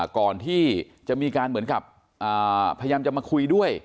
ก่อนที่จะมีการเหมือนกับพยายามจะมาคุยด้วย